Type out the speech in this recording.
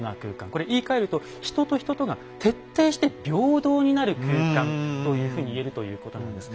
これ言いかえると人と人とが徹底して平等になる空間というふうに言えるということなんです。